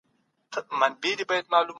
که ښووني موخې ولري نو نتيجه به ورکړي.